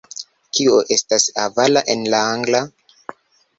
Kio estas avara en la angla?